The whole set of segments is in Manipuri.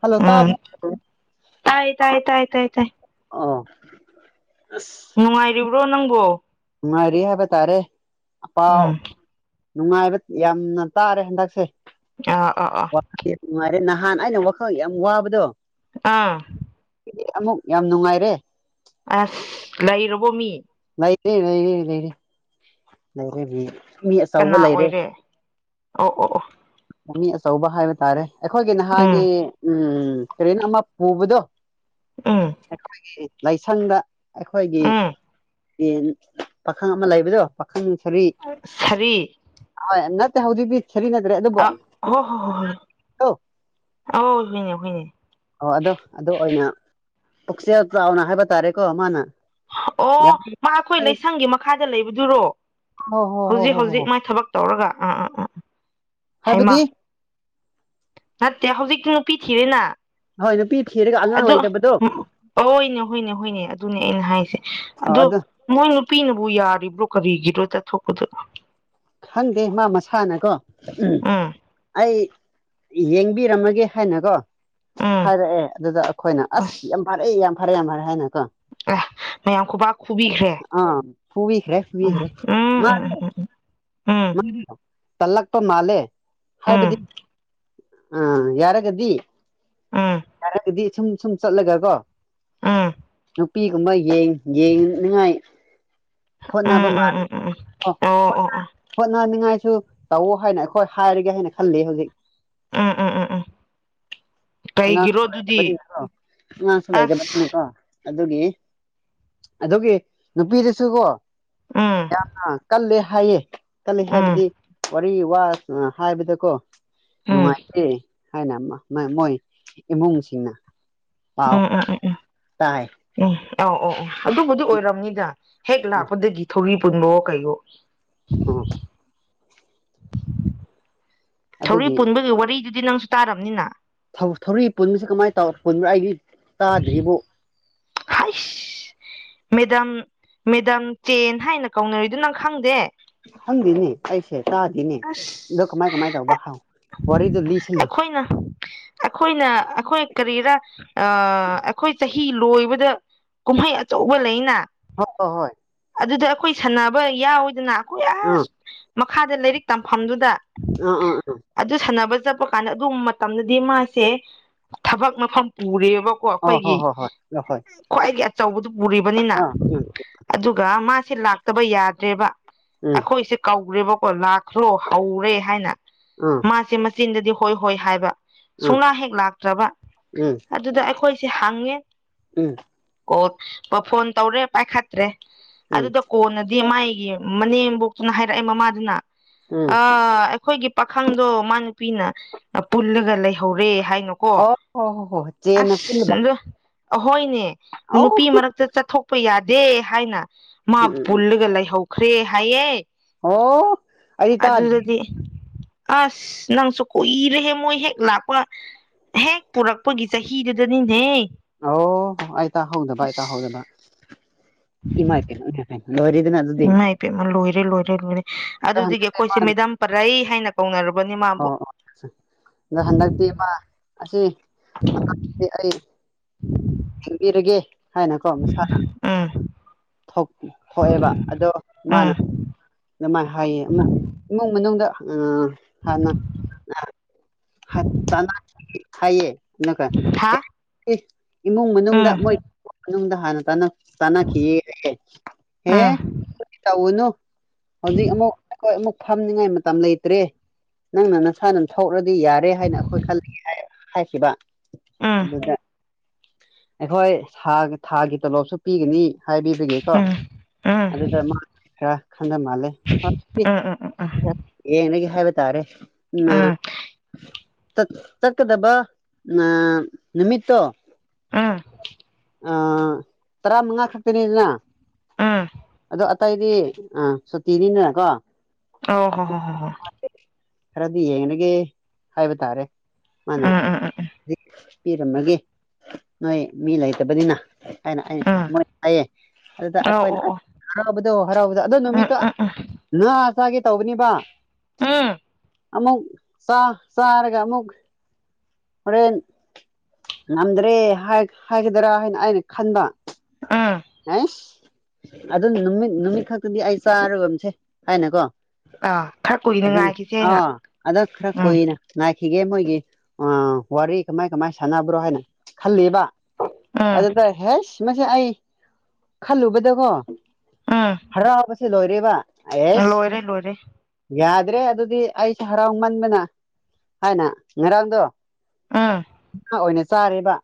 ꯍꯜꯂꯣ ꯎꯝ ꯇꯥꯏ [inaudible] ꯇꯥꯏ ꯇꯥꯏ ꯇꯥꯏ ꯇꯥꯏ [unintelligible] ꯅꯨꯡꯉꯥꯏꯔꯤꯕ꯭ꯔꯣ ꯅꯪꯕꯣ ꯅꯨꯡꯉꯔꯤ ꯍꯥꯏꯕ ꯇꯥꯔꯦ ꯄꯥꯎ ꯎꯝ ꯅꯨꯡꯉꯥꯏꯕ ꯌꯥꯝꯅ ꯇꯥꯔꯦ ꯍꯟꯗꯛꯁꯦ ꯑꯥ ꯑꯥ ꯑꯥ ꯅꯨꯡꯉꯥꯏꯔꯦ ꯅꯍꯥꯟ ꯑꯩꯅ ꯋꯥꯈꯜ ꯌꯥꯝ ꯋꯥꯕꯗꯣ ꯑꯥ ꯑꯃꯨꯛ ꯌꯥꯝ ꯅꯨꯡꯉꯥꯏꯔꯦ ꯑꯁ ꯂꯩꯔꯕꯣ ꯃꯤ ꯂꯩꯇꯦ ꯂꯩꯔꯦ ꯂꯩꯔꯦ ꯂꯩꯔꯦ ꯃꯤ ꯑꯆꯧꯕ ꯀꯅꯥ ꯂꯩꯔꯦ ꯑꯣꯏꯔꯦ ꯑꯣ ꯑꯣ ꯑꯣ ꯃꯤ ꯑꯆꯧꯕ ꯍꯥꯏꯕ ꯇꯥꯔꯦ ꯑꯩꯈꯣꯏꯒꯤ ꯅꯍꯥꯟꯒꯤ ꯎꯝ ꯎꯝ ꯇ꯭ꯔꯦꯟ ꯑꯃ ꯄꯨꯕꯗꯣ ꯎꯝ ꯑꯩꯈꯣꯏꯒꯤ ꯂꯥꯏꯁꯪꯗ ꯑꯩꯈꯣꯏꯒꯤ ꯎꯝ ꯑꯦ ꯄꯥꯈꯪ ꯑꯃ ꯂꯩꯕꯗꯣ ꯄꯥꯈꯪ ꯁꯥꯔꯤ ꯁꯥꯕꯤ ꯑꯣꯏ ꯅꯠꯇꯦ ꯍꯧꯖꯤꯕꯤ ꯁꯔꯤꯅꯒ꯭ꯔꯦ ꯑꯗꯨ ꯑ ꯍꯣ ꯍꯣ ꯍꯣꯏ ꯍꯣꯏ ꯍꯅꯦ ꯍꯅꯦ ꯑꯣ ꯑꯗꯣ ꯑꯗꯨ ꯑꯣꯏꯅ ꯄꯨꯛꯆꯦꯜ ꯆꯥꯎꯅ ꯍꯥꯏꯕ ꯇꯥꯔꯦ ꯀꯣ ꯃꯥꯅ ꯑꯣ ꯌꯥꯝ ꯃꯥ ꯑꯩꯈꯣꯏ ꯂꯩꯁꯪꯒꯤ ꯃꯈꯥꯗ ꯂꯩꯕꯗꯨꯔꯣ ꯍꯣ ꯍꯣ ꯍꯣ ꯍꯧꯖꯤꯛ ꯍꯣ ꯍꯧꯖꯤꯛ ꯍꯣ ꯃꯥ ꯊꯥꯕꯥꯛ ꯇꯧꯔꯒ ꯑꯥ ꯑꯥ ꯑꯝ ꯎꯝ ꯍꯥꯏꯩ ꯃꯥ ꯍꯥꯏꯕꯗꯤ ꯅꯠꯇꯦ ꯍꯧꯖꯤꯛꯇꯤ ꯅꯨꯄꯤ ꯊꯤꯔꯦꯅ ꯍꯣꯏ ꯅꯨꯄꯤ ꯊꯤꯔꯒ ꯑꯉꯥꯡ ꯑꯗꯨ ꯂꯩꯇꯕꯗꯣ ꯎꯝ ꯑꯣꯏꯅꯦ ꯍꯣꯏꯅꯦ ꯍꯣꯏꯅꯦ ꯑꯗꯨꯅꯦ ꯑꯩꯅ ꯍꯥꯏꯁꯦ ꯑꯗꯨ ꯃꯣꯏ ꯅꯨꯄꯤꯅꯕꯨ ꯌꯥꯔꯤꯕ꯭ꯔꯣ ꯀꯔꯤꯒꯤꯅꯣ ꯆꯠꯊꯣꯛꯄꯗꯨ ꯈꯪꯗꯦ ꯃꯥ ꯃꯁꯥꯅꯀꯣ ꯎꯝ ꯑꯩ ꯌꯦꯡꯕꯤꯔꯝꯃꯒꯦ ꯍꯥꯏꯅꯀꯣ ꯎꯝ ꯍꯥꯏꯔꯛꯑꯦ ꯑꯗꯨꯗ ꯑꯩꯈꯣꯏꯅ ꯑꯁ ꯌꯥꯝ ꯐꯔꯦ ꯌꯥꯝ ꯐꯔꯦ ꯌꯥꯝ ꯐꯔꯦ ꯍꯥꯏꯅ ꯀꯣ ꯑꯦ ꯃꯌꯥꯝ ꯈꯨꯕꯥꯛ ꯈꯨꯕꯤꯈ꯭ꯔꯦ ꯑꯥ ꯍꯨꯕꯤꯈ꯭ꯔꯦ ꯎꯝ ꯍꯨꯈ꯭ꯔꯦ ꯎꯝ ꯃꯥ ꯎꯝ ꯎꯝ ꯃꯥ ꯇꯜꯂꯛꯄꯥ ꯃꯥꯜꯂꯦ ꯎꯝ ꯍꯥꯏꯕꯗꯤ ꯑꯥ ꯌꯥꯔꯒꯗꯤ ꯎꯝ ꯍꯥꯏꯔꯒꯗꯤ ꯁꯨꯝ ꯁꯨꯝ ꯆꯠꯂꯒꯥ ꯀꯣ ꯎꯝ ꯅꯨꯄꯤꯒꯨꯝꯕ ꯌꯦ ꯌꯦꯡꯅꯤꯡꯉꯥꯏ ꯎꯝ ꯎꯝ ꯎꯝ ꯍꯣꯠꯅꯕ ꯎꯝ ꯃꯥ ꯎꯝ ꯎꯝ ꯎꯝ ꯑꯣ ꯑꯣ ꯑꯣ ꯍꯣꯠꯅꯟꯤꯡ ꯉꯥꯏꯁꯨ ꯇꯧꯋ ꯍꯥꯏꯅ ꯑꯩꯈꯣꯏ ꯍꯥꯏꯔꯒꯦ ꯍꯥꯏꯅ ꯈꯜꯂꯤ ꯍꯧꯖꯤꯛ ꯎꯝ ꯎꯝ ꯎꯝ ꯑꯉꯥꯡꯁꯨ ꯀꯩꯒꯤꯔꯣ ꯑꯗꯨꯗꯤ ꯂꯩꯕꯅꯀꯣ ꯑꯉꯥꯡꯁꯨ ꯂꯩꯒꯕꯅꯤꯅ ꯑꯁ ꯀꯣ ꯑꯗꯨꯒꯤ ꯑꯗꯨꯒꯤ ꯅꯨꯄꯤꯗꯨꯁꯨ ꯀꯣ ꯎꯝ ꯌꯥ ꯀꯜꯂꯦ ꯍꯥꯏꯌꯦ ꯀꯜꯂꯤ ꯎꯝ ꯍꯥꯏꯕꯗꯤ ꯋꯥꯔꯤ ꯋꯥ ꯍꯥꯏꯕꯗꯀꯣ ꯎꯝ ꯎꯝ ꯅꯨꯡꯉꯥꯏꯇꯦ ꯍꯥꯏꯅ ꯃꯣꯏ ꯏꯃꯨꯡꯁꯤꯡꯅ ꯄꯥꯎ ꯎꯝ ꯎꯝ ꯈꯔ ꯎꯝ ꯇꯥꯏ ꯎꯝ ꯑꯧ ꯑ ꯑꯣ ꯑꯗꯨꯕꯨꯗꯤ ꯑꯣꯏꯔꯝꯅꯤꯗ ꯍꯦꯛ ꯂꯥꯛꯄꯗꯒꯤ ꯊꯧꯔꯤ ꯄꯨꯟꯕꯣ ꯀꯩꯌꯣ [unintelligible] ꯊꯧꯔꯤ ꯑꯗꯨꯒꯤ ꯄꯨꯟꯕꯒꯤ ꯋꯥꯔꯤꯗꯨꯗꯤ ꯅꯪꯁꯨ ꯇꯥꯔꯕꯅꯤꯅ ꯊꯧꯔꯤꯛ ꯄꯨꯟꯕꯁꯤ ꯀꯃꯥꯏꯅ ꯇꯧ ꯄꯨꯟꯕ꯭ꯔꯥ ꯑꯩꯗꯤ ꯇꯥꯗ꯭ꯔꯤꯕ ꯍꯥꯏꯁ ꯃꯦꯗꯝ ꯃꯦꯗꯝ ꯆꯦꯟ ꯍꯥꯏꯅ ꯀꯧꯅꯔꯤꯗꯨ ꯅꯡ ꯈꯪꯗꯦ ꯍꯪꯗꯅꯦ ꯑꯩꯁꯦ ꯇꯥꯗꯤꯅꯦ ꯑꯁ ꯑꯗꯣ ꯀꯃꯥꯏ ꯀꯃꯥꯏ ꯇꯧꯕ ꯍꯥꯎ ꯋꯥꯔꯤꯗꯣ ꯂꯤꯁꯤꯜꯂꯨ ꯑꯩꯈꯣꯏꯅ ꯑꯩꯈꯣꯏꯅ ꯑꯩꯈꯣꯏ ꯀꯔꯤꯔꯥ ꯑ ꯑꯩꯈꯣꯏ ꯆꯍꯤ ꯂꯣꯏꯕꯗ ꯀꯨꯝꯍꯩ ꯑꯆꯧꯕ ꯂꯩꯅ ꯍ ꯑ ꯍꯣꯏ ꯑꯗꯨꯗ ꯑꯩꯈꯣꯏ ꯁꯥꯟꯅꯕ ꯌꯥꯎꯋꯗꯅ ꯑꯩꯈꯣꯏ ꯑꯥ ꯑꯁ ꯃꯈꯥꯗ ꯂꯥꯏꯔꯤꯛ ꯇꯝꯐꯝꯗꯨꯗ ꯑꯥ ꯑꯥ ꯑꯥ ꯑꯗꯨ ꯁꯥꯟꯅꯕ ꯆꯠꯄ ꯀꯥꯟꯗ ꯑꯗꯨꯒꯨꯝꯕ ꯃꯇꯝꯗꯗꯤ ꯃꯥꯁꯦ ꯊꯕꯛ ꯃꯐꯝ ꯄꯨꯔꯦꯕꯀ ꯀꯣ ꯑ ꯍꯣ ꯑꯩꯈꯣꯏꯒꯤ ꯍꯣ ꯍꯣꯏ ꯍꯣꯏ ꯍꯣꯏ ꯈ꯭ꯋꯥꯏꯗꯒꯤ ꯑꯆꯧꯕꯗꯨ ꯄꯨꯔꯤꯕꯅꯤꯅ ꯑꯥ ꯎꯝ ꯑꯗꯨꯒ ꯃꯥꯁꯦ ꯂꯥꯛꯇꯕ ꯌꯥꯗ꯭ꯔꯦꯕ ꯎꯝ ꯑꯩꯈꯣꯏꯁꯦ ꯀꯧꯈ꯭ꯔꯦꯕꯀꯣ ꯈ꯭ꯔꯣ ꯍꯧꯔꯦ ꯍꯥꯏꯅ ꯑꯥ ꯃꯥꯁꯦ ꯃꯆꯤꯟꯗꯗꯤ ꯍꯣꯏ ꯍꯣꯏ ꯍꯥꯏꯕ ꯎꯝ ꯁꯨꯡꯂꯥ ꯍꯦꯛ ꯂꯥꯛꯇ꯭ꯔꯕ ꯎꯝ ꯑꯗꯨꯗ ꯑꯩꯈꯣꯏꯁꯦ ꯍꯪꯉꯦ ꯑꯣ ꯐꯣꯟ ꯇꯧꯔꯦ ꯄꯥꯏꯈꯠꯇ꯭ꯔꯦ ꯎꯝ ꯎꯝ ꯑꯗꯨꯗ ꯀꯣꯟꯅ ꯗꯤ ꯃꯥꯏꯒꯤ ꯃꯅꯦꯝꯕꯣꯛꯇꯨꯅ ꯍꯥꯏꯔꯛꯑꯦ ꯃꯃꯥꯗꯨꯅ ꯎꯝ ꯑ ꯑꯩꯈꯣꯏꯒꯤ ꯄꯥꯈꯪꯗꯣ ꯃꯥ ꯅꯨꯄꯤꯅ ꯄꯨꯜꯂꯒ ꯂꯩꯍꯧꯔꯦ ꯍꯥꯏꯅꯣ ꯀꯣ ꯑꯣ ꯍꯣ ꯍꯣ ꯍꯣ ꯆꯦꯅ ꯑꯁ ꯄꯨꯟꯅꯕ ꯑꯍꯣꯏꯅꯦ ꯑꯧ ꯅꯨꯄꯤ ꯃꯔꯛꯇ ꯆꯠꯊꯣꯛꯄ ꯌꯥꯗꯦ ꯍꯥꯏꯅ ꯎꯝ ꯃꯥꯕꯨ ꯎꯝ ꯎꯝ ꯄꯨꯜꯂꯒ ꯂꯩꯍꯧꯈ꯭ꯔꯦ ꯍꯥꯏꯌꯦ ꯑꯣ ꯑꯩ ꯇꯥꯗꯦ ꯑꯗꯨꯗꯗꯤ ꯑꯁ ꯅꯪꯁꯨ ꯀꯨꯏꯔꯦꯍꯦ ꯃꯣꯏ ꯍꯦꯛ ꯂꯥꯛꯄ ꯍꯦꯛ ꯄꯨꯔꯛꯄꯒꯤ ꯆꯍꯤꯗꯨꯗꯅꯤꯅꯦ ꯑꯣ ꯑ ꯇ ꯍꯧꯗꯕ ꯑꯇ ꯑꯁ ꯍꯗꯕ ꯏꯃꯥꯏꯇꯦꯅꯔꯗꯅ ꯎꯥꯏ ꯏꯄꯦꯝꯃ ꯂꯣꯏꯔꯦ ꯂꯣꯏꯔꯦ ꯂꯣꯏꯔꯦ ꯑꯗꯣ ꯑꯗꯨꯗꯤ ꯍꯟꯗꯛꯇꯤ ꯑꯩꯈꯣꯏꯁꯦ ꯃꯥꯅ ꯃꯦꯗꯥꯝ ꯄꯔꯩ ꯍꯥꯏꯅ ꯀꯧꯅꯔꯕꯅꯦ ꯍꯣ ꯃꯥꯕꯨ ꯍꯣ ꯑꯗꯣ ꯍꯟꯗꯛꯇꯤ ꯏꯃ ꯑꯁꯤ ꯑꯩ [inaudible] ꯈꯟꯕꯤꯔꯒꯦ ꯍꯥꯏꯅꯀꯣ ꯃꯁꯥ ꯎꯝ ꯊꯣꯛꯑꯦꯕ ꯑꯗꯣ ꯃꯥꯅ ꯎꯝ ꯑꯗꯨꯃꯥꯏꯅ ꯍꯥꯏꯌꯦ ꯑꯃꯨꯛ ꯏꯃꯨꯡ ꯃꯅꯨꯡꯗ ꯎ ꯍꯅ ꯍ ꯆ ꯍꯥꯏꯌꯦ ꯅꯀ ꯍꯥ ꯏꯃꯨꯡ ꯃꯅꯨꯡꯗ ꯎꯝ ꯃꯣꯏꯃ ꯃꯅꯨꯡꯗ ꯍꯥꯟꯅ ꯇꯥꯟꯅ ꯆꯅꯥ ꯈꯤ ꯍꯦ ꯎꯝ ꯇꯅꯨ ꯍꯧꯖꯤꯛ ꯑꯃꯨꯛ ꯑꯩꯈꯣꯏ ꯑꯃꯨꯛ ꯐꯝꯅꯤꯡꯉꯥꯏ ꯃꯇꯝ ꯂꯩꯇ꯭ꯔꯦ ꯅꯪꯅ ꯅꯁꯥ ꯑꯗꯨꯝ ꯊꯣꯛꯧꯔꯗꯤ ꯌꯥꯔꯦ ꯍꯥꯏꯅ ꯑꯩꯈꯣꯏ ꯈꯂ ꯍꯥꯏꯈꯤꯕ ꯎꯝ ꯑꯗꯨꯗ ꯑꯩꯈꯣꯏ ꯊꯥꯒꯤ ꯇꯣꯂꯣꯞꯁꯨ ꯄꯤꯒꯅꯤ ꯍꯥꯏꯕꯤꯕꯒꯦꯀꯣ ꯎꯝ ꯎꯝ ꯑꯗꯨꯗ ꯎꯝ ꯃꯥ ꯈ ꯈꯟꯗ ꯃꯥꯂꯦ ꯎꯝ ꯌꯦꯡꯉꯒ ꯍꯥꯏꯕ ꯇꯥꯔꯦ ꯎ ꯆꯠꯀꯗꯕ ꯅꯨꯃꯤꯠꯇꯣ ꯑꯥ ꯑꯥ ꯇꯔꯥ ꯃꯉꯥ ꯈꯛꯇꯅꯤꯗꯅ ꯎꯝ ꯑꯗꯣ ꯇꯩꯗꯤ ꯑ ꯁꯨꯇꯤꯅꯤꯅ ꯀꯣ ꯑꯣ ꯍꯣ ꯍ ꯍ ꯍ ꯈꯔꯗꯤ ꯌꯦꯡꯂꯥꯒꯦ ꯍꯥꯏꯕ ꯇꯥꯔꯦ ꯃꯥꯅ ꯎꯝ ꯎꯝ ꯎꯝ ꯎꯝ ꯄꯤꯔꯝꯃꯒꯦ ꯅꯣꯏ ꯃꯤ ꯂꯩꯇꯕꯅꯤꯅ ꯍꯥꯏꯅ ꯎꯝ ꯑꯩꯣꯏ ꯍꯥꯏꯌꯦ ꯑꯗꯨꯗ ꯑꯧ ꯑꯩꯈꯣꯏꯅ ꯑꯣ ꯑꯣ ꯑꯁ ꯍꯔꯥꯎꯕꯗꯣ ꯍꯔꯥꯎꯕꯗꯣ ꯑꯗꯣ ꯎꯝ ꯅꯨꯃꯤꯠꯇꯣ ꯎꯝ ꯎꯝ ꯉꯥꯁꯥꯒꯤ ꯇꯧꯕꯅꯤꯕ ꯎꯝ ꯑꯃꯨꯛ ꯆꯥꯔꯒ ꯑꯃꯨꯛ ꯍꯣꯔꯦꯟ ꯉꯝꯗ꯭ꯔꯦ ꯍꯥꯏꯒꯗ꯭ꯔꯥ ꯍꯥꯏꯅ ꯑꯩꯅ ꯈꯟꯕ ꯑꯥ ꯑꯦꯁ ꯑꯗꯨ ꯅꯨꯃꯤꯠ ꯅꯨꯃꯤꯠ ꯈꯛꯇꯗꯤ ꯑꯩ ꯆꯥꯔꯨꯁꯦ ꯍꯥꯏꯅꯀꯣ ꯑꯥ ꯈꯔ ꯀꯨꯏꯅ ꯑꯗꯨꯅ ꯉꯥꯏꯈꯤꯁꯦ ꯑꯩꯅ ꯑꯥ ꯑꯗ ꯈꯔ ꯎꯝ ꯀꯨꯏꯅ ꯉꯥꯏꯈꯤꯒꯦ ꯃꯣꯏꯒꯤ ꯋꯥꯔꯤ ꯀꯃꯥꯏ ꯀꯃꯥꯏ ꯁꯥꯟꯅꯕ꯭ꯔꯣ ꯍꯥꯏꯅ ꯈꯜꯂꯤꯕ ꯎꯝ ꯑꯗꯨ ꯇ ꯍꯁ ꯃꯁ ꯑꯩ ꯈꯜꯂꯨꯕꯗꯀꯣ ꯎꯝ ꯍꯔꯥꯎꯕꯁꯦ ꯂꯣꯏꯔꯦꯕ ꯑꯦꯁ [unintelligible] ꯌꯥꯗ꯭ꯔꯦ ꯑꯗꯨꯗꯤ ꯑꯩꯁꯦ ꯍꯔꯥꯎꯃꯟꯕꯅ ꯍꯥꯏꯅ ꯉꯔꯥꯡꯗꯣ ꯑꯥ ꯉꯥ ꯑꯣꯏꯅ ꯆꯥꯔꯦꯕ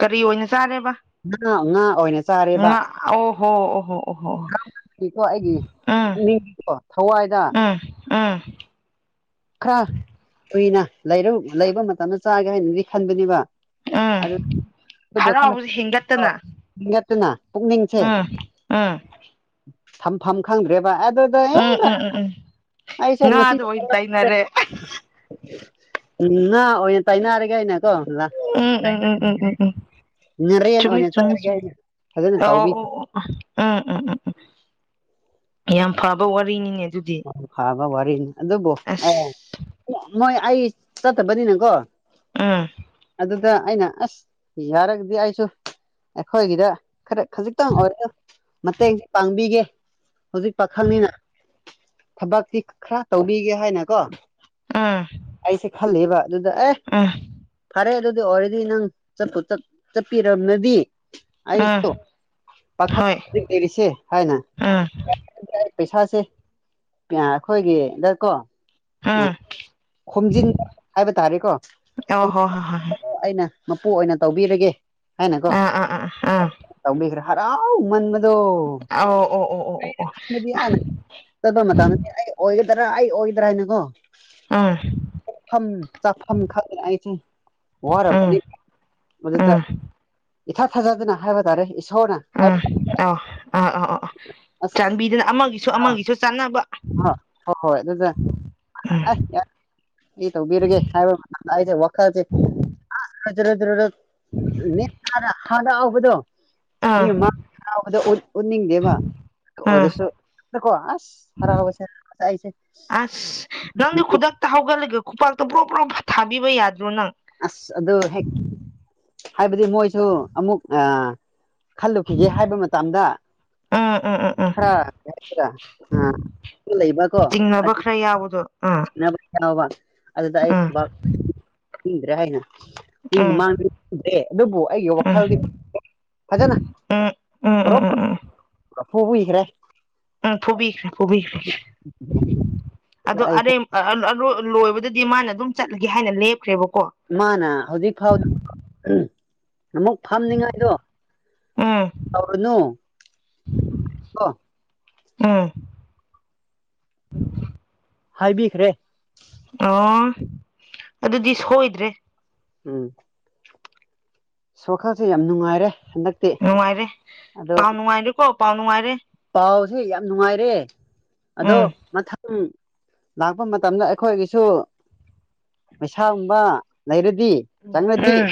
ꯀꯔꯤ ꯑꯣꯏꯅ ꯆꯥꯔꯦꯕ ꯉꯥ ꯉꯥ ꯑꯣꯏꯅ ꯆꯥꯔꯦꯕ ꯉꯥ ꯑꯣꯍꯣ ꯑꯣ ꯍꯣ ꯑꯣꯍꯣ ꯁꯤꯀꯣ ꯑꯩꯒꯤ ꯎꯝ ꯄꯨꯛꯅꯤꯡꯗꯣ ꯊꯋꯥꯏꯗ ꯑꯝ ꯈꯔ ꯀꯨꯏꯅ ꯂꯩꯔ ꯂꯩꯕ ꯃꯇꯝꯗ ꯆꯥꯒꯦ ꯍꯥꯏꯅꯗꯤ ꯈꯟꯕꯅꯦꯕ ꯎꯝ ꯑꯗ ꯍꯔꯥꯎꯕꯁꯦ [unintelligible] ꯍꯦꯟꯒꯠꯇꯅ ꯅꯠꯇꯨꯅ ꯄꯨꯛꯅꯤꯡꯁꯦ ꯎꯝ ꯎꯝ ꯐꯝꯐꯝ ꯈꯪꯗ꯭ꯔꯦꯕ ꯑꯗꯨ ꯎꯝ ꯎꯝ ꯎꯝ ꯎꯝ ꯉꯥꯗꯣ ꯑꯣꯏꯅ ꯇꯩꯅꯔꯦ ꯎꯝ ꯅꯥ ꯑꯣꯏꯅ ꯇꯥꯏꯅꯔꯒꯦ ꯑꯩꯅ ꯀꯣ ꯎꯝ ꯎꯝ ꯎꯝ ꯎꯝ ꯎꯝ ꯎꯝ ꯉꯥꯔꯦꯟ ꯆꯨꯝꯃꯤ ꯑꯣꯏꯅ ꯆꯃꯤ ꯆꯥꯔꯒꯦ ꯆ ꯍꯥꯏꯅ ꯐꯖꯅ ꯇꯧꯕꯤ ꯑꯣ ꯑꫭ ꯎꯝ ꯎꯝ ꯎꯝ ꯎꯝ ꯌꯥꯝ ꯐꯕ ꯋꯥꯔꯤꯅꯤꯅꯦ ꯑꯗꯨꯗꯤ ꯐꯥꯕ ꯋꯥꯔꯤꯅꯤ ꯑꯗꯨꯕꯨ ꯑꯦ ꯑꯁ ꯃꯣꯏ ꯑꯩ ꯆꯠꯇꯕꯅꯤꯅꯀꯣ ꯎꯝ ꯑꯗꯨꯗ ꯑꯩꯅ ꯑꯁ ꯌꯥꯔꯒꯗꯤ ꯑꯩꯁꯨ ꯑꯩꯈꯣꯏꯒꯤꯗ ꯈꯔ ꯈꯖꯤꯛꯇꯪ ꯑꯣꯏꯔ ꯃꯇꯦꯡ ꯄꯥꯡꯕꯤꯒꯦ ꯍꯧꯖꯤꯛ ꯄꯥꯈꯜꯅꯤꯅ ꯊꯕꯛꯁꯤ ꯈꯔ ꯇꯧꯕꯤꯒꯦ ꯍꯥꯏꯅꯀꯣ ꯑꯥ ꯑꯩꯁꯦ ꯈꯂꯦꯕ ꯑꯗꯨꯗ ꯑꯦ [unintelligible] ꯐꯔꯦ ꯑꯗꯨꯗꯤ ꯑꯣꯏꯔꯗꯤ ꯅꯪ ꯆꯄ ꯆꯠꯄꯤꯔꯕꯅꯗꯤ ꯎꯝ ꯑꯩꯁꯨ ꯄꯥꯈꯛ ꯍꯣꯏ ꯂꯩꯔꯤꯁꯦ ꯍꯥꯏꯅ ꯎꯝ ꯄꯩꯁꯥꯁꯦ ꯑꯩꯈꯣꯏꯒꯤꯗ ꯀꯣ ꯎꯝ ꯈꯣꯝꯖꯤꯟ ꯍꯥꯏꯕ ꯇꯥꯔꯦꯀꯣ ꯑꯣ ꯍꯣ ꯍꯣꯏ ꯍꯣꯏ ꯍꯣꯏ ꯑꯩꯅ ꯃꯄꯨ ꯑꯣꯏꯅ ꯇꯧꯕꯤꯔꯒꯦ ꯍꯥꯏꯅꯀꯣ ꯑꯥ ꯑꯥ ꯑꯥ ꯑꯥ ꯑꯥ ꯇꯧꯃꯤꯈ꯭ꯔꯦ ꯍꯔꯥꯎ ꯃꯟ ꯃꯗꯣ ꯑꯣ ꯑꯣ ꯑꯣ ꯑꯣ ꯑꯣ ꯑꯣ ꯆꯠꯄ ꯃꯇꯝꯗ ꯑꯩ ꯑꯣꯏꯒꯗ꯭ꯔꯥ ꯑꯩ ꯑꯣꯏꯒꯗ꯭ꯔꯥ ꯍꯥꯏꯅꯀꯣ ꯎꯝ ꯆꯥꯛ ꯆꯥꯛꯐꯝ ꯈꯪꯗꯅ ꯑꯩꯁꯦ ꯎꯝ ꯋꯥꯔꯕꯗꯤ ꯃꯗꯨꯗ ꯎꯝ ꯏꯊꯥ ꯊꯥꯖꯗꯅ ꯍꯥꯏꯕ ꯇꯥꯔꯦ ꯏꯁꯣꯔꯅ ꯑꯥ ꯑ ꯑ ꯑ ꯑꯁ ꯆꯥꯟꯕꯤꯗꯅ ꯑꯃꯒꯤꯁꯨ ꯑ ꯑꯃꯒꯤꯁꯨ ꯆꯥꯟꯅꯕ ꯎꯝ ꯏ ꯇ ꯎꯕꯤꯔꯒꯦ ꯍꯥꯏꯕꯥꯏꯁꯦ ꯋꯥꯈꯔꯁꯤ ꯔ ꯍꯗꯕꯗꯣ ꯑꯥ ꯃꯥ ꯗꯦꯕ ꯑꯥ ꯑꯣꯏꯔꯁꯨ ꯀꯣ ꯑꯁ ꯍꯔꯕꯁꯦ ꯅꯪꯗꯤ ꯈꯨꯗꯛꯇ ꯍꯧꯒꯠꯂꯒ ꯈꯨꯄꯥꯛꯇ ꯄ꯭ꯔꯣ ꯄ꯭ꯔꯣ ꯊꯥꯕꯤꯕ ꯌꯥꯗ꯭ꯔꯣ ꯅꯪ ꯑꯁ ꯑꯗꯨ ꯍꯦꯛ ꯍꯥꯏꯕꯗꯤ ꯃꯣꯏꯁꯨ ꯑꯃꯨꯛ ꯑ ꯈꯜꯂꯨꯈꯤꯒꯦ ꯍꯥꯏꯕ ꯃꯇꯝꯗ ꯎꯝ ꯎꯝ ꯎꯝ ꯎꯝ [unintelligible] ꯂꯩꯕ ꯀꯣ ꯆꯤꯡꯅꯕ ꯈꯔ ꯌꯥꯎꯕꯗꯣ ꯎꯝ ꯌꯥꯕ ꯑꯗꯨꯗ ꯑꯩ ꯎꯝ ꯈꯨꯕꯥꯛ [unintelligible] ꯍꯥꯏꯅ ꯃꯣꯏ ꯎꯝ ꯃꯃꯥꯡꯗ꯭ꯔꯦ ꯑꯗꯨꯕꯨ ꯑꯩꯒꯤ ꯎꯝ ꯋꯥꯈꯜꯗꯤ ꯐꯖꯅ ꯎꯝ ꯎꯝ ꯎꯝ ꯎꯝ ꯎꯝ [unintelligible] ꯎꯝ ꯐꯨꯕꯤꯈ꯭ꯔꯦ ꯐꯨꯕꯤꯈ꯭ꯔꯦ ꯑꯗꯨ ꯑꯩꯁꯦ ꯑꯔꯩ ꯂꯣꯏꯕꯗꯗꯤ ꯃꯥꯅ ꯑꯗꯨꯝ ꯆꯠꯂꯒꯦ ꯍꯥꯏꯅ ꯂꯦꯞꯈ꯭ꯔꯦꯕꯀꯣ ꯃꯥꯅꯥ ꯍꯧꯖꯤꯛ ꯐꯥꯎꯗꯤ ꯑꯃꯨꯛ ꯐꯝꯅꯤꯉꯥꯏꯗꯣ ꯎꯝ ꯇꯧꯔꯅꯨ ꯀꯣ ꯎꯥ ꯍꯥꯏꯕꯤꯈ꯭ꯔꯦ ꯑꯣ ꯑꯗꯨꯗꯤ ꯁꯣꯏꯗ꯭ꯔꯦ ꯎꯝ ꯁꯣꯈꯜꯁꯦ ꯌꯥꯝ ꯅꯨꯡꯉꯥꯏꯔꯦ ꯍꯟꯗꯛ ꯅꯨꯡꯉꯥꯏꯔꯦ ꯄꯥꯎ ꯅꯨꯡꯉꯥꯏꯔꯦꯀꯣ ꯄꯥꯎ ꯅꯨꯡꯉꯥꯏꯔꯦ ꯄꯥꯎꯁꯦ ꯌꯥꯝ ꯅꯨꯡꯉꯥꯏꯔꯦ ꯑꯗꯣ ꯎꯝ ꯎ ꯂꯥꯛꯄ ꯃꯇꯝꯗ ꯑꯩꯈꯣꯏꯒꯤꯁꯨ ꯄꯩꯁꯥꯒꯨꯝꯕ ꯂꯩꯔꯗꯤ ꯆꯪꯉꯗꯤ ꯎꯝ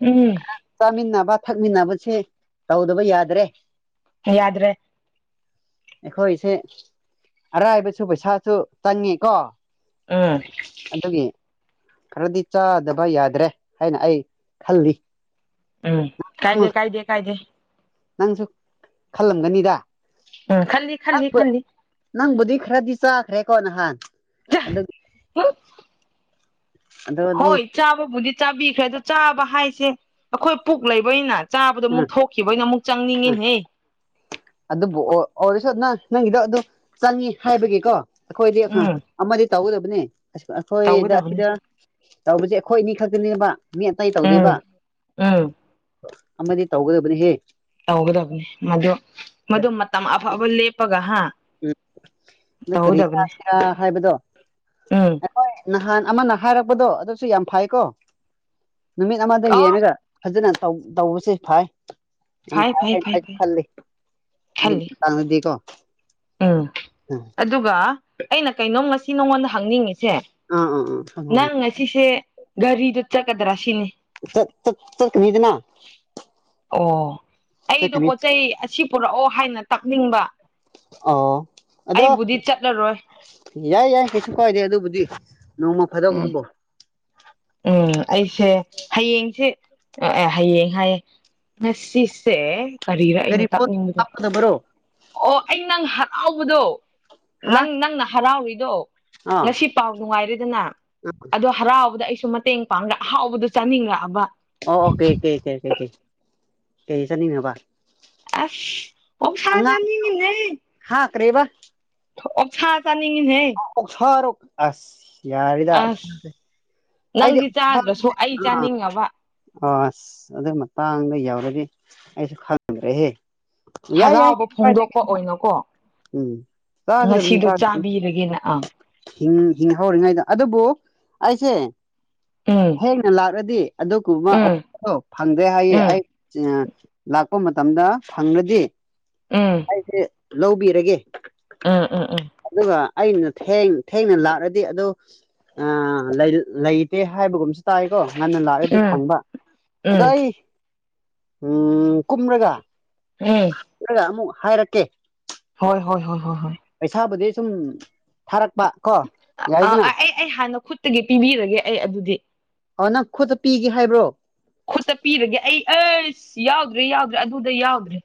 ꯎꯝ ꯈꯔ ꯆꯥꯃꯤꯟꯅꯕ ꯊꯛꯃꯤꯟꯅꯕꯁꯦ ꯇꯧꯗꯕ ꯌꯥꯗ꯭ꯔꯦ ꯌꯥꯗ꯭ꯔꯦ ꯑꯩꯈꯣꯏꯁꯦ ꯑꯔꯥꯏꯕꯁꯨ ꯄꯩꯁꯥꯁꯨ ꯆꯪꯉꯦ ꯀꯣ ꯎꯝ ꯑꯗꯒꯤꯦ ꯈꯔꯗꯤ ꯆꯥꯗꯕ ꯌꯥꯗ꯭ꯔꯦ ꯍꯥꯏꯅ ꯑꯩ ꯈꯜꯂꯤ ꯎꯝ ꯀꯥꯏꯗꯦ ꯀꯥꯏꯗꯦ ꯀꯥꯏꯗꯦ ꯅꯪꯁꯨ ꯈꯜꯂꯝꯒꯅꯤꯗ ꯎ ꯈ ꯅꯪꯕꯨ ꯅꯪꯕꯨꯗꯤ ꯈꯔꯗꯤ ꯆꯥꯈ꯭ꯔꯦꯀꯣ ꯅꯍꯥꯟ ꯑꯗꯨꯒ ꯍ ꯑꯗꯨꯗꯤ ꯍꯣꯏ ꯆꯥꯕꯕꯨꯗꯤ ꯆꯥꯕꯤꯈ꯭ꯔꯦ ꯑꯗ ꯆꯥꯕ ꯍꯥꯏꯁꯦ ꯑꯩꯈꯣꯏ ꯄꯨꯛ ꯂꯩꯕꯅ ꯆꯥꯕꯗꯣ ꯑꯃꯨꯛ ꯎꯝ ꯊꯣꯛꯈꯤꯕꯩꯅ ꯑꯃꯨꯛ ꯎꯝ ꯆꯪꯅꯤꯡꯉꯤꯅꯦꯍ ꯑꯗꯨꯕꯨ ꯑꯣꯏꯔꯁꯨ ꯅ ꯅꯪꯒꯤꯗꯣ ꯑꯗꯨ ꯆꯪꯉ ꯍꯥꯏꯕꯒꯤꯀꯣ ꯑꯩꯈꯣꯏꯗꯤ ꯎꯝ ꯑꯃꯗꯤ ꯇꯧꯒꯗꯕꯅꯦ ꯑꯩꯈꯣꯏꯗ ꯇꯧꯒꯗꯕꯅꯤ ꯁꯤꯗ ꯇꯁꯦ ꯑꯩꯈꯣꯏ ꯑꯅꯤ ꯈꯛꯇꯅꯦꯕ ꯃꯤ ꯑꯇꯩ ꯇꯧꯗꯦꯕ ꯎꯝ ꯎꯝ ꯑꯃꯗꯤ ꯇꯧꯒꯗꯕꯅꯤꯍꯦ ꯇꯧꯒꯗꯕꯅꯤ ꯃꯗꯨ ꯃꯗꯨ ꯃꯇꯝ ꯑꯐꯕ ꯂꯦꯞꯄꯒ ꯍꯥ ꯎꯝ ꯑꯗꯨ ꯀꯔꯤ ꯇꯧꯒꯗꯕꯅꯤ ꯆꯥꯁꯤꯔꯥ ꯍꯥꯏꯕꯗꯣ ꯎꯝ ꯍꯣꯏ ꯅꯍꯥꯟ ꯑꯃꯅ ꯍꯥꯏꯔꯛꯄꯗꯣ ꯑꯗꯨꯁꯨ ꯌꯥꯝ ꯐꯩꯀꯣ ꯅꯨꯃꯤꯠ ꯑꯃꯗ ꯑ ꯌꯦꯡꯉꯒ ꯐꯖꯅ ꯇꯧꯕꯁꯦ ꯐꯥꯏ ꯌꯥꯝ ꯐꯩ ꯐꯩ ꯐꯥꯏꯅ ꯐꯩ ꯐꯩ ꯈꯜꯂꯤ ꯈꯜꯂꯤ ꯑꯗꯨꯗꯒꯤ ꯇꯥꯡꯗꯤ ꯀꯣ ꯎꯝ ꯎꯝ ꯑꯗꯨꯒ ꯑꯩꯅ ꯀꯩꯅꯣꯝ ꯉꯁꯤ ꯅꯉꯣꯟꯗ ꯍꯪꯅꯤꯡꯉꯤꯁꯦ ꯑꯥ ꯑꯥ ꯑꯥ ꯅꯪ ꯉꯁꯤꯁꯦ ꯒꯥꯔꯤꯗꯨ ꯆꯠꯀꯗ꯭ꯔꯥ ꯁꯤꯅꯤ ꯇ ꯃꯤꯅꯤꯗꯅ ꯑꯣ ꯑꯩꯗꯣ ꯆꯠꯀꯅꯤ ꯄꯣꯠꯆ ꯆꯩ ꯑꯁꯤ ꯄꯨꯔꯛꯑꯣ ꯍꯥꯏꯅ ꯇꯥꯛꯅꯤꯡꯕ ꯑꯣ ꯑꯗꯣ ꯑꯩꯕꯨꯗꯤ ꯆꯠꯂꯔꯣꯏ ꯌꯥꯏ ꯌꯥꯏ ꯀꯩꯁꯨ ꯀꯥꯏꯗꯦ ꯑꯗꯨꯕꯨꯗꯤ ꯅꯣꯡꯃ ꯎꯝ ꯐꯥꯗꯣꯛꯇꯕꯣ ꯎꯝ ꯑꯩꯁꯦ ꯍꯌꯦꯡꯁꯦ ꯑꯦ ꯍꯌꯦꯡ ꯍꯥꯏꯌꯦ ꯉꯁꯤꯁꯦ ꯀꯔꯤꯔ ꯑꯩꯅ ꯇꯥꯛꯅꯤꯡꯕꯗꯣ ꯗꯕ꯭ꯔꯣ ꯑꯣ ꯑꯩ ꯅꯪ ꯍꯔꯥꯎꯕꯗꯣ ꯍꯥ ꯅꯪ ꯅꯪꯅ ꯍꯔꯥꯎꯔꯤꯗꯣ ꯑꯥ ꯉꯁꯤ ꯄꯥꯎ ꯅꯨꯡꯉꯥꯏꯔꯦꯗꯅ ꯑꯗꯨ ꯍꯔꯥꯎꯕꯗ ꯑꯩꯁꯨ ꯃꯇꯦꯡ ꯄꯥꯡꯂ ꯑꯍꯥꯎꯕꯗ ꯆꯥꯅꯤꯡꯂꯛꯑꯕ ꯑꯣ ꯑꯣꯀꯦꯀꯦꯀꯦꯀꯦꯦ ꯀꯩ ꯆꯠꯅꯤꯡꯉꯕꯕꯥ ꯑ ꯑꯣ ꯁꯥꯖꯥꯅꯤꯉ ꯅ ꯍꯥ ꯀꯔꯤꯕ ꯑꯣꯞ ꯁꯥ ꯆꯥꯅꯤꯡꯉꯤꯍꯦ ꯑꯣꯁꯔꯛ ꯑꯁ ꯌꯥꯔꯗ ꯑꯁ ꯑꯣꯁꯦ ꯑꯩꯗꯤ ꯅꯪꯗꯤ ꯆꯥꯗ꯭ꯔꯁꯨ ꯑꯩ ꯆꯥꯅꯤꯡꯉꯕ ꯑ ꯑꯁ ꯑꯗꯨꯒꯤ ꯃꯇꯥꯡꯗ ꯌꯎꯔꯒꯦ ꯑꯩꯁꯨ ꯈꯪꯗ꯭ꯔꯦꯍꯦ ꯌꯥꯏ ꯌꯥꯏ ꯍꯔꯥꯎꯕ ꯄꯗꯦ ꯐꯣꯡꯗꯣꯛꯄ ꯑꯣꯏꯅꯀꯣ ꯎꯝ ꯆꯒꯗꯕꯅꯤ ꯉꯁꯤꯗꯣ ꯆꯗ ꯆꯥꯕꯤꯔꯒꯦꯅ ꯑꯥ ꯍꯤꯡꯍꯧꯔꯤꯉꯩꯗ ꯑꯗꯨꯕꯨ ꯑꯩꯁꯦ ꯎꯝ ꯍꯩꯅ ꯂꯥꯛꯂꯗꯤ ꯑꯗꯨꯒꯨꯝꯕ ꯎꯝ ꯑꯣ ꯐꯪꯗ꯭ꯔꯦ ꯍꯥꯏꯌꯦ ꯎꯝ ꯑꯩ ꯂꯥꯛꯄ ꯃꯇꯝꯗ ꯐꯪꯪꯂꯗꯤ ꯎꯝ ꯁꯦ ꯂꯧꯕꯤꯔꯒꯦ ꯎꯝ ꯎꯝ ꯎꯝ ꯑꯗꯨꯒ ꯑꯩꯅ ꯊꯦꯡꯅ ꯂꯥꯛꯂꯗꯤ ꯑꯗ ꯂꯩꯇꯦ ꯍꯥꯏꯕꯒꯨꯝꯕꯁꯤ ꯇꯥꯏꯀꯣ ꯉꯟꯅ ꯂꯥꯛꯑꯗꯤ ꯎꯝ ꯐꯪꯕ ꯑꯗꯣ ꯎꯝ ꯑꯩ ꯎꯝ ꯀꯨꯝꯔꯒ ꯎꯝ ꯑꯃꯨꯛ ꯍꯥꯏꯔꯛꯀꯦ ꯍꯣꯏ ꯍꯣꯏ ꯍꯣꯏ ꯍꯣꯏ ꯍꯣꯏ ꯄꯩꯁꯥꯕꯨꯗꯤ ꯁꯨꯝ ꯊꯥꯔꯛꯄ ꯀꯣ ꯌꯥꯏꯗꯅ ꯑꯩ ꯑꯩ ꯍꯥꯟꯅ ꯈꯨꯠꯇꯒꯤ ꯄꯤꯕꯤꯔꯒꯦ ꯑꯩ ꯑꯗꯨꯗꯤ ꯑ ꯅꯪ ꯈꯨꯠꯇ ꯄꯤꯒꯦ ꯍꯥꯏꯕ꯭ꯔꯣ ꯈꯨꯠꯇ ꯄꯤꯔꯒꯦ ꯑꯩ ꯑꯁ ꯌꯥꯎꯗ꯭ꯔꯦ ꯌꯥꯎꯗ꯭ꯔꯦ ꯑꯗꯨꯗ ꯌꯥꯎꯗ꯭ꯔꯦ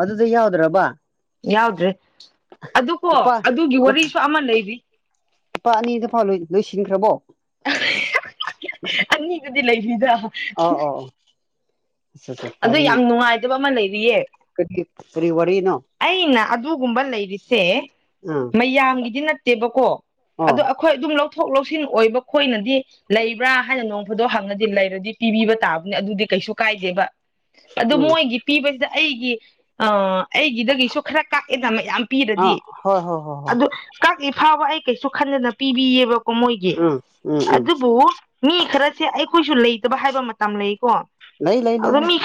ꯑꯗꯨꯗꯤ ꯌꯥꯎꯗ꯭ꯔꯕ ꯌꯥꯎꯗ꯭ꯔꯦ ꯑꯗꯨ ꯀꯣ ꯂꯨꯄꯥ ꯑꯗꯨꯒꯤ ꯋꯥꯔꯤꯁꯨ ꯑꯃ ꯂꯩꯔꯤ ꯂꯨꯄꯥ ꯑꯅꯤ ꯂꯥꯎ ꯂꯣꯏꯁꯤꯟꯈ꯭ꯔꯕꯣ ꯑꯅꯤꯕꯨꯗꯤ ꯂꯩꯔꯤꯗ ꯑꯥ ꯑꯣ ꯑꯣ ꯑ ꯑꯗ ꯐꯔꯤꯅꯦ ꯌꯥꯝ ꯅꯨꯡꯉꯥꯏꯇꯕ ꯑꯃ ꯂꯩꯔꯤꯌꯦ ꯀꯔꯤ ꯀꯔꯤꯕ ꯋꯥꯔꯤ ꯅꯣ ꯑꯩꯅ ꯑꯗꯨꯒꯨꯝꯕ ꯂꯩꯔꯤꯁꯦ ꯑꯥ ꯃꯌꯥꯝꯒꯤꯗꯤ ꯅꯠꯇꯦꯕꯀꯣ ꯑꯣ ꯑꯗꯣ ꯑꯩꯈꯣꯏ ꯑꯗꯨꯝ ꯂꯧꯊꯣꯛ ꯂꯧꯁꯤꯟ ꯑꯣꯏꯕ ꯑꯩꯈꯣꯏꯅꯗꯤ ꯂꯩꯕ꯭ꯔꯥ ꯍꯥꯏꯅ ꯅꯣꯡ ꯐꯗꯣ ꯍꯪꯉꯗꯤ ꯂꯩꯔꯗꯤ ꯄꯤꯕꯤꯕ ꯇꯥꯕꯅꯦ ꯑꯗꯨꯗꯤ ꯀꯩꯁꯨ ꯀꯥꯏꯗꯦꯕ ꯑꯗꯨ ꯎꯝ ꯃꯣꯏꯒꯤ ꯄꯤꯕꯁꯤꯗ ꯑꯩꯒꯤ ꯑ ꯑꯩꯒꯤꯗꯒꯤꯁꯨ ꯈꯔ ꯀꯥꯛꯑꯦꯗ ꯃꯌꯥꯝ ꯑꯥ ꯄꯤꯔꯗꯤ ꯍꯣꯏ ꯍꯣꯏ ꯍꯣꯏ ꯍꯣꯏ ꯑꯗꯨ ꯀꯛꯏ ꯐꯥꯎꯕ ꯑꯩ ꯀꯩꯁꯨ ꯈꯟꯗꯅ ꯄꯤꯕꯤꯌꯦꯕ ꯀ ꯃꯣꯏꯒꯤ ꯎꯝ ꯎꯝ ꯎꯝ ꯑꯗꯨꯕꯨ ꯃꯤ ꯈꯔꯁꯦ ꯑꯩꯈꯣꯏꯁꯨ ꯂꯩꯇꯕ ꯍꯥꯏꯕ ꯃꯇꯝ ꯂꯩꯀꯣ ꯂꯩ ꯂꯩ ꯂꯩ ꯑꯗꯨꯗ ꯃꯤ